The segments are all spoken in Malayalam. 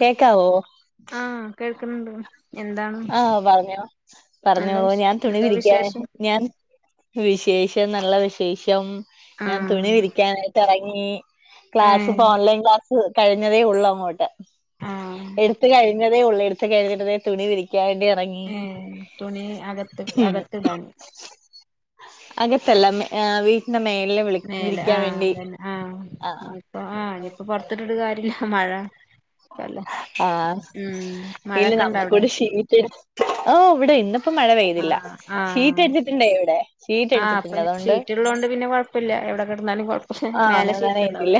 കേക്കാവോ ആഹ് കേൾക്ക്ന്ന്ണ്ട് ആഹ് പർഞ്ഞോ നല്ല പർഞ്ഞോളൂ വിശേ ഞാൻ തുണി എന്താ വിരിക്കാ വിശേഷം ഞാൻ ക്കെ വിശേഷം നല്ല വിശേഷം ഞാൻ ആഹ് തുണി വിരിക്കാനായ്ട്ടെറങ്ങി ക്ലാസ്പ്പ ഏഹ് ഓൺലൈൻ ക്ലാ സ് കഴിഞ്ഞതേ ഒള്ളൂ അങ്ങോട്ട് ആഹ് എട്ത്ത് കഴിഞ്ഞതേ ഒള്ളൂ എട്ത്ത് കഴിഞ്ഞിട്ട്തേ തുണി വിരി ക്ക്യാൻ വേണ്ടി ഇറങ്ങി ഏഹ് തുണി അകത്ത് ഉം അകത്ത്ടാനോ അകത്തല്ല മെ വീട്ട്ന്റെ മേൽല് വിളി മേലെ വിരിക്കാൻ വേണ്ടി ആഹ് ഇപ്പ ആഹ് ഇനിയിപ്പോ പൊർത്തിട്ട്ട്ട് കാര്യല്ല മഴാ ആഹ് ഇല്ല മഴൊക്കെ ഇണ്ട അവിടെ നമ്മക്ക്വടെ ഷീറ്റ് ഓഹ് വ്ടെ ഇന്ന്പ്പം മഴ പെയ്തില്ല ആഹ് ഷീറ്റ് ആഹ് ഇട്ടിട്ട്ണ്ടേ ഇവ്ടെ ഷീറ്റ്ട്ടിട്ട്ണ്ട് അത്കൊണ്ട് റ്റ്ള്ളാേണ്ട് പിന്നെ കൊഴപ്പല്ല എവ്ടെ കെടന്നാലും കൊഴ് ആഹ് അങ്ങനെ നനയത്തില്ല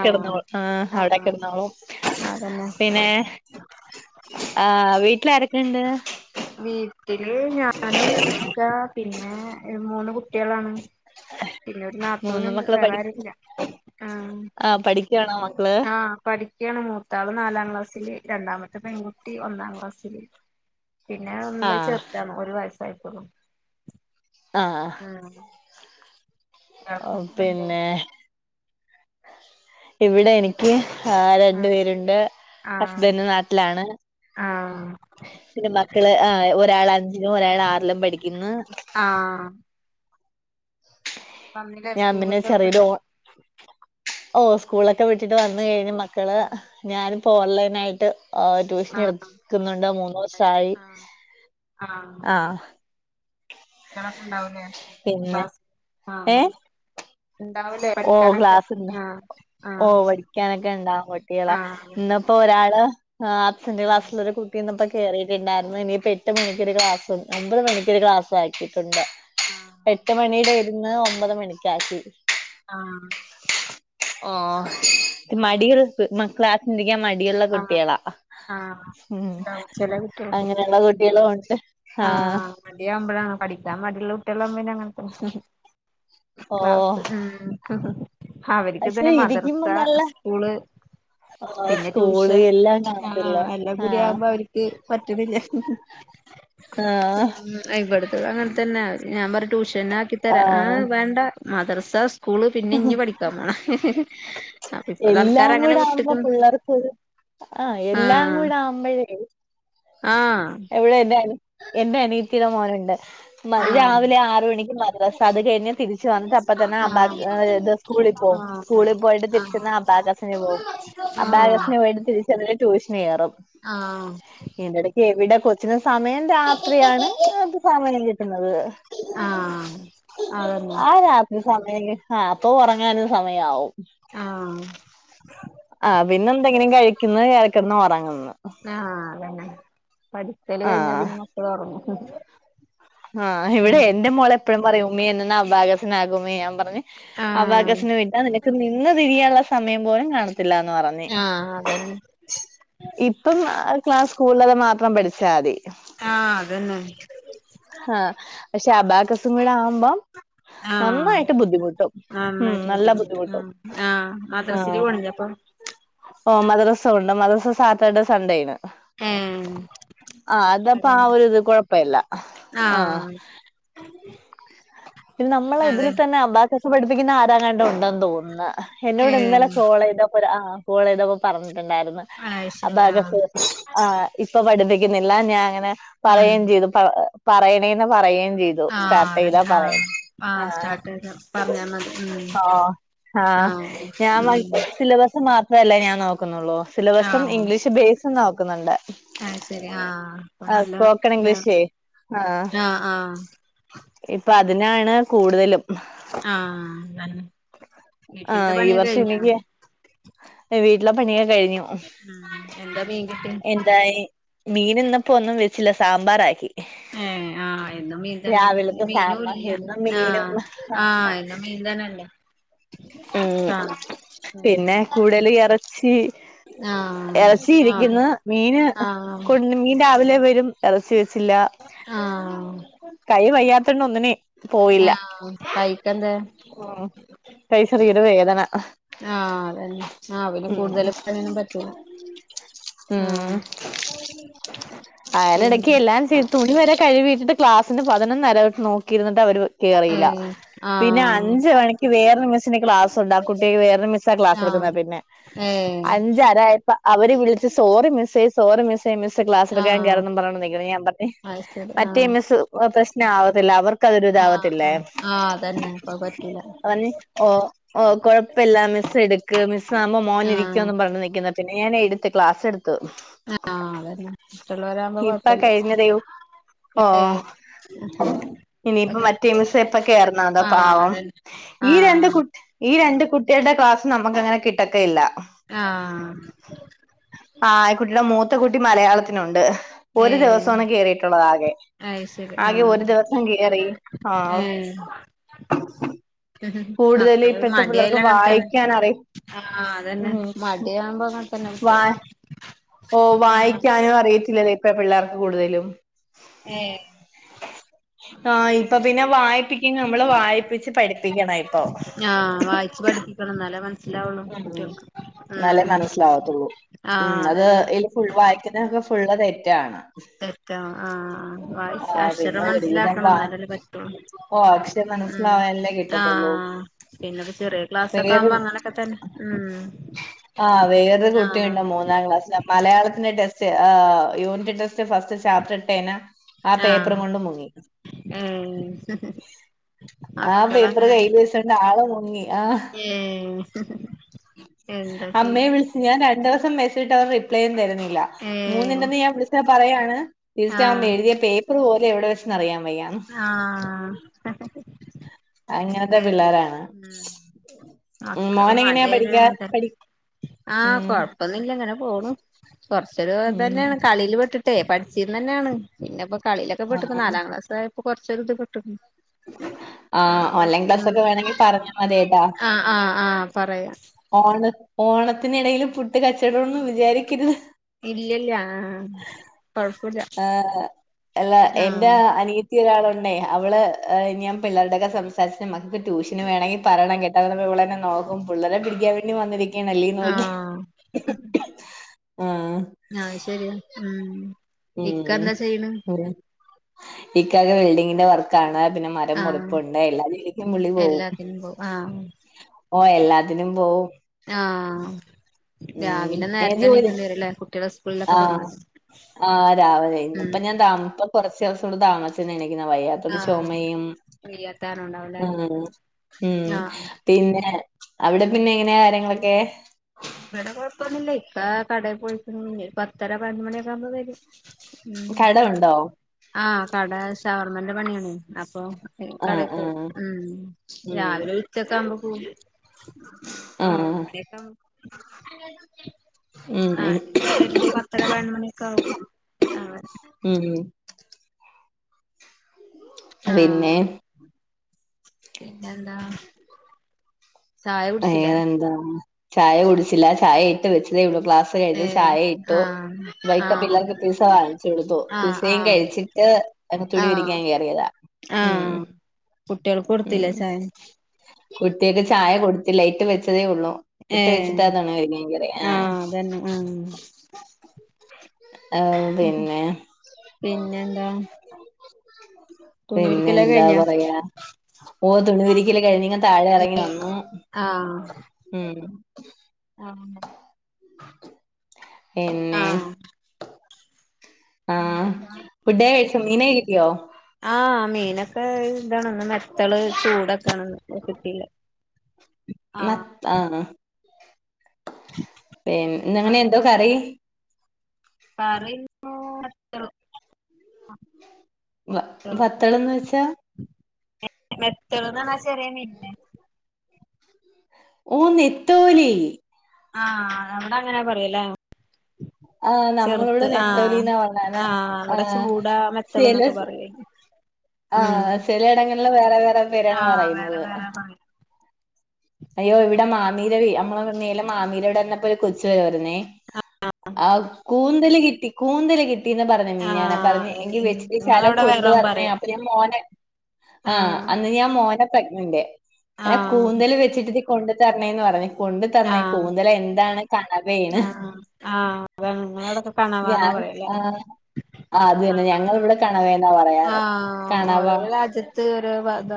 ആഹ് ആഹ് അവ്ടെക്കെടന്നോളും അതന്നെ പിന്നെ ആഹ് വീട്ട്ലാരൊക്കെണ്ട് വീട്ടില് ഞാനും ഇക്ക പിന്നെ മൂന്ന് കുട്ട്യേളാണ് പിന്നെ ഒര് മൂന്ന് നത്തൂനുണ്ട് മക്കള് വേറെ പഠി ആരുല്ല ആഹ് ആഹ് പഠിക്ക്യു ആണോ മക്കള് ആഹ് പടിക്ക്യാണ് മൂത്താള് നാലാം ക്ലാസ്സില് രണ്ടാമത്തെ പെൺകുട്ടി ഒന്നാം ക്ലാസ്സില് പിന്നെ ഒന്ന്ള്ളത് ആഹ് ചെർതാണ് ഒര് വയസായ്ട്ടൊള്ളൂ ആഹ് ആഹ് [unintelligible] പിന്നെ ഇവിടെ എനിക്ക് ആഹ് രണ്ട് പേരുണ്ട് ആഹ് ഹസ്ബന്റ് നാട്ടിലാണ് ആഹ് പിന്നെ മക്കള് ആഹ് ഒരാളഞ്ചിലും ഒരാളാറിലും പഠിക്ക്ന്ന് ആഹ് വന്നിലെ സ്കൂളൊക്കെ വിട്ട്ട്ടെ ഓഹ് സ്കൂളൊക്കെ വിട്ടിട്ട് വന്ന് കഴിഞ്ഞ് മക്കള് ആഹ് ഞാനും ഇപ്പോ ഓൺലൈനായ്ട്ട് ആഹ് ട്യൂഷനെട്ക്ക്ന്ന്ണ്ട് മൂന്നൂസായി ആഹ് ആഹ് ട്ട്യളക്കെണ്ടാവുലേ പിന്നെ ക്ലാസ് ആഹ് ആഹ് ഏഹ് ഉണ്ടാവണ്ടേ ഓ പഠിക്കാനൊക്കെ ക്ലാസ്ണ്ട് ആഹ് ഓ ആഹ് പഠിക്കാനൊക്കെ ഇണ്ടാ കുട്ടികള ആഹ് ഇന്ന്പ്പോ ഒരാള് അബ്സന്റ് ആഹ് ക്ലാസ്സിലൊരു കുട്ട് ഇന്നപ്പോ കേറിയിട്ടുണ്ടായിരുന്നു ഇനിയിപ്പ എട്ട് മണിക്കൊ ക്ലാസ് ഒമ്പത് മണിക്കക്ക് ക്ലാസ് ആക്കിയിട്ടുണ്ട് ആഹ് എട്ട് മണിയുടെ ആയിരുന്നു ഒമ്പതുമണിക്ക് ആക്കി ആഹ് ഓ അതന്നെ. ആഹ് മടിയുള്ള ക്ലാസിലിരിക്കാൻ മടിയുള്ള ആഹ് കുട്ട്യാള ആഹ് ഉം ഉണ്ടാവും ചില കുട്ടികൾക്കും അങ്ങനെള്ള കുട്ട്യെളും ഒണ്ട് ആഹ് മടിയാവുമ്പളാണ് പഠിക്കാം മടിള്ള കുട്ട്യാളാവ്മ്പ പിന്നെ ഞമ ഓ ക്ലാസ് ഊം അവര്ക്ക് പക്ഷെ തന്നെ മദ്ർസ ഇരിക്കുമ്പോ നല്ല സ്കൂള് ആഹ് പിന്നെ സ്കൂള് ട്യൂഷൻ എല്ലാം ആഹ് കാണത്തില്ലേ എല്ലം കൂടി ആഹ് ആവുമ്പാെ അവര്ക്ക് പറ്റ്ണില്ലാ ആഹ് ഉം ആഹ് ഇബ്ടത്തതും അങ്ങൻ തന്നെ ഞാൻ പറ ട്യൂഷനാക്കി തരാ ആ ആഹ് വേണ്ട മദ്റസാ സ് കൂള് പിന്നെ ഇഞ്ഞ് പഠിക്കാൻ പോണ അപ്പ ഇപ്പ തൽക്കാലങ്ങനെ വ് ആഹ് പുള്ളേർക്കൊരു ആഹ് എല്ലാം കൂടെ ആവുമ്പോഴേ ആഹ് ഇവിടെ എന്റെ അ എന്റെ അനിയത്തിയുടെ മോനുണ്ട് ആഹ് രാവിലെ ആറ് മണിക്ക് മദ്രാസ അത് കഴിഞ്ഞ് തിരിച്ചു വന്നിട്ട് അപ്പ തന്നെ അബാ ആഹ് സ്കൂളിൽ പോകും സ്കൂളിൽ പോയിട്ട് ആഹ് തിരിച്ച്ന്നാൽ അബാക്കസിന് പോവും ആഹ് അബാകസിനെ പോയിട്ട് തിരി ചെന്നാൽ ട്യൂഷന് കയറും. ആഹ് ഇതിന്റെ ഇടക്ക് എവിടെ കൊച്ചിന് സമയം രാത്രിയാണ് അത് സമയം കിട്ടുന്നത് ആഹ് അത് തന്നെ ആ രാത്രി സമയം ആഹ് അപ്പൊ ഉറങ്ങാനും സമയമാവും ആഹ് ആഹ് പിന്നെന്താ കഴിക്കന്ന് കേറികെടന്ന് ഉറങ്ങന്ന് ആഹ് അതന്നെ പടിത്തല് കഴിഞ്ഞ ആഹ് പിന്നെ മക്കൾ ഒറങ്ങും ആഹ് ഇവിടെ ഉം എന്റെ മോളെപ്പോഴും പറയും ഉമ്മി എന്നാ ഒന്ന് അബാക്കസ് ആകും ഉമ്മി ഞാൻ പറഞ്ഞു ആഹ് അബക്കാസിനു വീട്ടാ നിനക്ക് നിന്ന് തിരിയാനുള്ള സമയം പോലും കാണത്തില്ല എന്ന് പറഞ്ഞു ആഹ് അതന്നെ ഇപ്പം ആഹ് ക്ലാസ്സ് സ്കൂളിലത് മാത്രം പഠിച്ചാതി ആ അതന്നെ. ആഹ് പക്ഷെ അബാകസും കൂടെ ആവുമ്പം. ആഹ് നന്നായിട്ട് ബുദ്ധിമുട്ടും ഉം നന്നായിട്ട് നല്ല ബുദ്ധിമുട്ട് ബുദ്ധിമുട്ടും ആഹ് ആഹ് മദ്രസൽ പോണില്ലേ അപ്പൊ ഓ മദ്രസ ഉണ്ട് മദ്രസ സാറ്റർഡേ സൺഡേ ആണ് ഏഹ് ആഹ് അതപ്പൊ ആഹ് ഒരു ഇത് കുഴപ്പല്ല ആ പിന്നെ നമ്മളെ ഇതിൽ തന്നെ അബാക്കസ് പഠിപ്പിക്കുന്ന ആരാണ് ഉണ്ടെന്ന് തോന്നന്ന് എന്നോട് ഇന്നലെ ഏഹ് കോൾ ചെയ്തപ്പോ ആ കോൾ ചെയ്തപ്പോ പറഞ്ഞിട്ടുണ്ടായിരുന്നു. അത് ശരി ആഹ് അബാക്കസ് ആ ഇപ്പൊ പഠിപ്പിക്കുന്നില്ല ഞാൻ അങ്ങനെ ഉം പറയെം ചെയ്തു പറയണേന്ന് പറയെം ചെയ്തു ആഹ് സ്റ്റാർട്ട് ചെയ്താ അതന്നെ ആഹ് പറയണം ആ ആഹ് സ്റ്റാർട്ട് പറഞ്ഞാ മതി ആഹ് ഞാൻ ഉം സിലബസ് മാത്രല്ലെ ഞാൻ നോക്കുന്നുള്ളൂ സിലബസും ഇംഗ്ലീഷ് ബേസ് നോക്കുന്നുണ്ട്. ആഹ് ശരി ആഹ് അപ്പ ആ നല്ല സ്പോക്കൺ ഇതാ ഇംഗ്ലീഷേ ആ ആഹ് ആഹ് ഇപ്പൊ അതിനാണ് കൂടുതലും ആഹ് വീട്ടിലത്തെ ആഹ് ഈ പണിയൊക്കെ വർഷം കഴിഞ്ഞോ നിക്ക് വീട്ടിലേ പണിയൊക്ക കഴിഞ്ഞു ഉം എന്താ മീൻ കിട്ടി അതായി മീൻ ഇന്നപ്പോ ഒന്നും വെച്ചില്ല സാമ്പാറാക്കി. ഏഹ് ആഹ് എന്നും മീൻ തന്നല്ലേ രാവിലത്തെ മീനും സാമ്പാർ ഇല്ല എന്നും ആ മീനും ആഹ് എന്നും മീൻ തന്നല്ലേ. ഉം പിന്നെ കൂടുതൽ ഇറച്ചി ആഹ് ആഹ് ഇരിക്കുന്നു മീന് ആഹ് കൊണ്ട് മീൻ രാവിലെ വരും എറച്ചി വെച്ചില്ല ആഹ് കൈ വയ്യാത്തോണ്ട ഒന്നിനെ ആഹ് വൈകിട്ടെന്തേ ഉം കൈ ചെറിയൊരു വേദന ആ അതന്നെ ആ പിന്നെ ഉം കൂടുതല് പണിയന്നും പറ്റൂല ആഹ് ഉം അയ്ന്ടക്ക് പിന്നെ എല്ലാം തുണി വരെ കഴിവിട്ടിട്ട് ക്ലാസിന്റെ പതിനൊന്നരട്ട് നോക്കിരിന്നിട്ട് അവര് കേറിയില്ല ഏഹ് പിന്നെ ആഹ് അഞ്ച് മണിക്ക് വേറൊരു മിസ്സിന് ക്ലാസുണ്ട് ആഹ് കുട്ടിക്ക് വേറൊരു മിസ്സാ ക്ലാസ് ആഹ് എടുക്കുന്ന പിന്നെ ഏഹ് അഞ്ചരായപ്പ അവര് വിളിച്ച് സോറി മിസ്സേ സോറി മിസ്സേ മിസ്സ്‌ ക്ലാസ് എടുക്കാൻ ആഹ് കയറും പറഞ്ഞോണ്ട് നിക്കുന്ന് ഞാൻ പറഞ് അത് ശരി മറ്റേ ആഹ് മിസ്സ്‌ പ്രശ്നം ആവത്തില്ല ആഹ് തിരുതാവാത്തില്ലേ ആഹ് ആഹ് അതന്നെ അപ്പൊ പറ്റൂല ഓ ഓ കൊഴപ്പമില്ല മിസ് എടുക്ക് മിസ് ആവുമ്പോ മോൻ ആഹ് ഇരിക്കോന്നും പറഞ്ഞു നിൽക്കുന്നെ പിന്നെ ഞാൻ ക്ലാസ്സ് എടുത്തു ആഹ് അതന്നെ മറ്റുള്ളവരാകുമ്പോ ഇപ്പ കൊഴപ്പല്ല കഴിഞ്ഞതേ ഓഓഓ ! ! ! ! ! ഇനിയിപ്പ മറ്റേ മിസ്സ് എപ്പൊ കേറുന്നോ എന്തോ ആഹ് പാവം അതന്നെ ഈ രണ്ട് ആഹ് കുട്ടി ഈ രണ്ട് കുട്ടികളുടെ ക്ലാസ് നമ്മക്ക് അങ്ങനെ കിട്ടത്തേയില്ല ആഹ് ആഹ് ഈ കുട്ടിയുടെ മൂത്ത കുട്ടി മലയാളത്തിനുണ്ട് ഒരു ഏഹ് ദിവസാണ് കേറിയിട്ടുള്ളത് ആകെ അത് ശരി ആകെ ഒരു ആഹ് ദിവസം കേറി ആഹ് ഏഹ് കൂടുതൽ മക്കള് ഇപ്പോഴത്തെ മടിയായാൽ പിള്ളേർക്ക് അങ്ങനെ തന്നെ വായിക്കാൻ അറി ആഹ് അതന്നെ ഉം മടിയാകുമ്പോ അങ്ങനെ തന്നെ മിസ്സേ വാ ഓ വായിക്കാനും അറിയത്തില്ലല്ലേ ഇപ്പ പിള്ളേർക്ക് കൂടുതലും ഏഹ് ! ! ! ! ആ ഇപ്പൊ പിന്നെ വായിപ്പിക്കും നമ്മള് വായിപ്പിച്ച് പഠിപ്പിക്കണ ഇപ്പൊ ആഹ് വായിച്ച് പഠപ്പിക്കണം എന്നലെ മനസ്സിലാവുള്ളു ഉം കുട്ടികൾക്ക് എന്നാലേ ആഹ് ആഹ് അതന്നെ ഫുള്ള് വായിക്കുന്നത് ഫുൾ തെറ്റാണ് തെറ്റോ ആഹ് ആ വായിച് ആഹ് പിന്നെ അക്ഷരം ഒരുവിധം മനസ്സിലാക്കണം വാ എന്നാലല്ലേ പറ്റുള്ളൂ ഓ അക്ഷരം ഉം മനസ്സിലാവാനല്ലേ കിട്ടത്തുള്ളൂ ആഹ് പിന്നെപ്പൊ ചെറിയ ക്ലാസൊക്കെ വേറെ ആവുമ്പോ അങ്ങനെ ങ്ങനത്തന്നെ ഉം ആഹ് ക്ലാസിലെ മലയാളത്തിലെ ടെസ്റ്റ് ആഹ് യൂണിറ്റ് ടെസ്റ്റ് ഫസ്റ്റ് ചാപ്റ്റർ ഇട്ടേന ആ പേപ്പർ ആഹ് കൊണ്ട് മുങ്ങി ഏഹ് ആ പേപ്പറ് മക്കളങ്ങനെന്നെ കയ്യില് വെച്ചാണ്ട് ആള് മുങ്ങി ആഹ് ഏഹ് എന്താ ചെയ്യാ അമ്മയെ വിളിച്ച് ഞാൻ രണ്ടൂസം മെസ്സേജ്ട്ട് അവൻ റിപ്ലൈയും തരുന്നില്ല ഏഹ് മൂന്നിന്റന്ന് ഞാൻ വിളിച്ചാപറയാണ് ലീസ്റ്റാം ആഹ് എഴ്തിയ പേപ്പർ പോലും എവിടെ വെച്ചന്ന് അറിയാൻ വയ്യാ ആഹ് ആഹ് അങ്ങനത്തെ പിള്ളേരാണ് ഉം മ്മ് മക്കള് മോനഎങ്ങനെയാ മടിയായാല് പഠിക്കാ പടി ഉം പ്പൊന്നുല്ല ഇങ്ങനെ പോണൂ കൊറച്ചൊരു ഉം ഇതന്നെണ് കളീല് പെട്ടിട്ടേയ് പഠിച്ചീര്ന്നെന്നെണ് പിന്നെപ്പൊ കളീലൊക്കെ പെട്ട്പ്പൊ ആഹ് നാലാം ക്ലാസ്സായപ്പോ കുറച്ചൊരുത് കിട്ട്ണ് ആഹ് ഓൺലൈൻ ക്ലാസ് ഒക്കെ വേണെങ്കി പറഞ്ഞാമത്യാട്ടാ അഹ് ആഹ് ആഹ് പറയാം ഓണത് ഓണത്തിനിടയിലും ഫുഡ് കച്ചവടം ന്ന് വിചാരിക്കരുത് ഇല്ലല്ല ആഹ് കാെഴപ്പുലാ ആഹ് എല്ലാ എന്റെ അനി [unintelligible] അവള് ഞാൻ പിള്ളേരുടൊക്കെ സംസാരിച്ച് നമ്മക്ക് ട്യൂഷന് വേണങ്കി പറയണം കേട്ട് [unintelligible] ഇവളന്നെ നോക്കും പിള്ളേരെ പിടിക്യാൻ വേണ്ടിം വന്നിരി ക്കീനല്ലീ നോഗി ആഹ് ആഹ് ആഹ് ശരിയാ ഉം ഉം ഇക്ക എന്താ ചെയ്യ്ണ് ഉം ഇക്കാക്ക് വെൾഡിങ്ങിന്റെ വർക്കാണ് പിന്നെ മ ആഹ് ദംമുറിപ്പുണ്ടയ് എല്ലാതിലേക്കും പുള്ളി പോകും എല്ലാത്തിനും പോവും ആഹ് ഓഹ് എല്ലാത്തിനും പോവും ആഹ് ഉം രാവിലെ എനിക്ക് ജോലി നേരത്തെണീക്കേണ്ടി വരുല്ലേ കുട്ടികളസ് ആഹ് ആഹ് രാവ്‌ലെ ഉം ഇന്ന്പ്പ ഞാൻ ത ആഹ് മൂത്തോൻ കൊറച്ച് ദെവസം വടെ താമസിച്ച്ന്ന് എനിക്ക്ന്ന് വയ്യാ ആഹ് ചുമയും വയ്യാത്താരണം ഉണ്ടാവുംല്ലേ ഉം ഉം ആഹ് പിന്നെ അവിടെ പിന്നെ എങ്ങനെയ കാര്യങ്ങളൊക്കെ ഇവിടെ കുഴപ്പൊന്നില്ല ഇക്ക കടയിൽ പോയികുണ് ഇനി ഒരു പത്തര പതിനൊന്ന് മണിയക്കൊ ആകുമ്പ വരും ഉം കട ഉണ്ടോ ആഹ് കട ശവർമന്റെ പണിയാണ് അപ്പൊ ആഹ് കടേ പോവും ആഹ് ഉം ഉം രാവിലെ ഉച്ചക്കെ ആവുമ്പോ പോരും ആഹ് ഉം ആഹ് ഇനി വരുമ്പോ പത്തര പതിനൊന്നു മണിയൊക്കെ ആകും ആഹ് ഉം പിന്നെ ആഹ് പിന്നെന്താ? ചായ കുടിച്ചില്ലേ വേറെന്താ ചായ കുടിച്ചില്ല ചായ ഇട്ട് വെച്ചതേ ഇവിളൂ ക്ലാസ് ട്ട് കയ്ഞ്ഞു ഏഹ് ചായ ഇട്ടു ആഹ് [unintelligible] ആഹ് പിള്ളേർക്ക് പിസ്സ വാങ്ങിച്ചു കൊടുത്തു ആഹ് പിസ്സയും ആഹ് കഴിച്ചിട്ട് അത് തുണി ആഹ് വിരിക്കാൻ കയറിയതാ ഉം കുട്ടികൾ കൊടുത്തില്ല ചായ കുട്ടികൾക്കു ചായ കൊടുത്തില്ല ഇട്ടു വെച്ചതേ ഉള്ളൂ ഇട്ട് ഏഹ് വെച്ചിട്ട്താണ് [unintelligible] ആഹ് അതന്നെ ആഹ് ആഹ് പിന്നെ പിന്നെന്താ തുണിവിരിക്കലെക്കെ കഴിഞ്ഞ? ഓഹ് തുണിവിരിക്കല കഴിഞ്ഞു ഇങ് താഴെ ഇറങ്ങി വന്നു ഉം ആഹ പിന്നെ ആഹ് ആഹ് ഫുഡ് കഴിച്ച മീനെ കിട്ടിയോ? ആഹ് മീനൊക്കെ ഇതാണ് വത്തള് ചൂതക്കെയാണ് കി ട്ടീയില [inaudible] മത് ആഹ് പിന്നെ ഇന്ന് അങ്ങനെ എന്തോ കറി പറയുന്നുത്ര വ വത്തളെന്ന് വെച്ചാ മെത്തള്ന്നാ ആഹ് ചെറിയ മീനിന് ഓഹ് നത്തോലി ആഹ് അവടെ അങ്ങനെ പറയല്ലേ ആഹ് നമ്മളിവിടെ ചെറുത്ത് ആഹ് നെത്തോലിന്നാ പറഞ്ഞാല് ആഹ് അവിടെ ചൂടാ മെത്തള് ചില ന്നൊക്കെ പറയല് ആഹ് ചിലയിടങ്ങളില് വേറെ വേറെ പേരാണ് ആഹ് വേറെ പറയുന്നത് വേറെ പറയാ അയ്യോ ഇവിടെ മാമീടെ നമ്മളെ മാമീരവിടെ വന്നപ്പോ ഒരു കൊച്ചു വരവായിരുന്നേ ആഹ് കൂന്തല് കിട്ടി കൂന്തല് കിട്ടീന്ന് പറഞ്ഞ ഞൻ ആഹ് പറഞ്ഞ അതന്നെ എങ്കി ഉം വെച്ചിട്ട ശാലം നിങ്ങളവിടെ വേറേം കൊണ്ടുവന്നേ പറയാ അപ്പൊ ഞാ മോനെ ആഹ് അന്ന് ഞാൻ മോന പ്രഗ്നന്റെ എന്നെ ആഹ് കൂന്തല് വെച്ചിട്ടി കൊണ്ടു തരണേന്ന് പറഞ്ഞു കൊണ്ടു തരന്നേ ആഹ് കൂന്തൽ എന്താണ് കണവയാണ് ആഹ് ആഹ് അത നിങ്ങളടൊക്കെ കെണറാന്നാ ഞാൻ പറയല്ലേ ആഹ് ആ അത് തന്നെ ആഹ് ഞങ്ങളിവിടെ കണവേന്നാ പറയാറ്. ആഹ് കണവ ഓരോരോ രാജ്യ ത്ത് ഒരോ ഭാഗ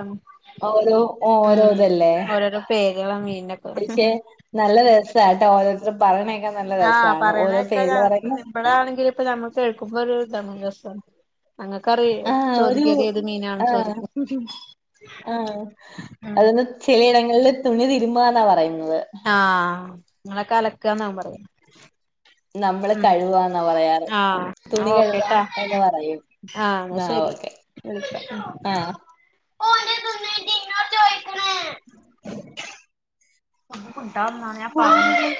ഓരോ ഓരോ ഇതല്ലേ? ഓരോരോ പേരുകള മീനോക്കെ പക്ഷെ നല്ല രസട്ടോ ഓരോരുത്തര് പറഞ്ഞേക്കാൻ നല്ല രസമാണ് ഓരോ പേരിൽ പറയുന്നെ ഇവിടൊ ആണെങ്കില് ഇപ്പൊ നമ്മുക്ക് കേൾക്കുമ്പോരു രസമാണ് അങ്ങകറി ആ ഒരു ചോദിക്ക ത് ഏത് മീനാണ് ആഹ് ചോദിക്ക ആഹ് അതന്ന് ചിലയിടങ്ങളില് തുണി തിരുബ ന്ന പറയുന്നത് ആഹ് ങ്ങളക്കെ അലക്കാവുന്നാകും പറയാ നമ്മള് ഉം കഴിവന്നാ പറയാറ് ആഹ് തുണി കഴവാ എന്ന് പറയും ആ ശരി വിളിക്കാം ഓന്റെ തിന്നിട്ട് ഇന്നോട് ചോദിക്കണ് ഒന്ന് മിണ്ടാതെനിന്ന ഞാൻ ഒന്ന് പറയ ആഹ്